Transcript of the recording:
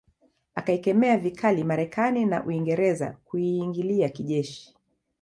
Akaikemea vikali Marekani na na Uingereza kuiingilia kijeshi